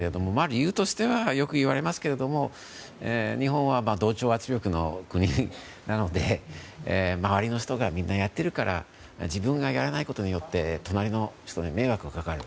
英国と米国の違いがはっきりしていましたが理由としては、よくいわれますが日本は同調圧力の国なので周りの人がみんなやってるから自分がやらないことによって隣の人に迷惑がかかる。